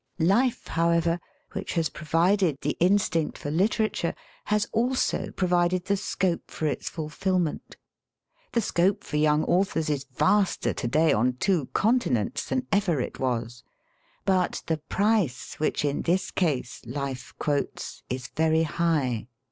Life, however, which has provided the instinct for literature, has also provided the scope for its ful£hnent. The scope for young authors is vaster to day on two continents than ever it was. But lie price which in this case life quotes is very high.